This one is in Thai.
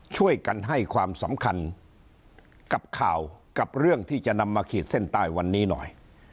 ช่วยกันให้ความสำคัญกับข่าวกับเรื่องที่จะนำมาขีดเส้นใต้วันนี้หน่อย